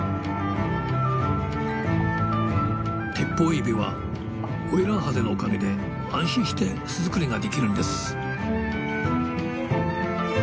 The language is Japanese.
テッポウエビはオイランハゼのおかげで安心して巣作りができるんです。